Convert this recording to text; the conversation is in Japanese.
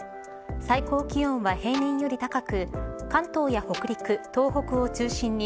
最高気温は平年より高く関東や北陸、東北を中心に